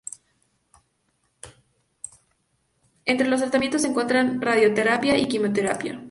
Entre los tratamientos se encuentran radioterapia y quimioterapia.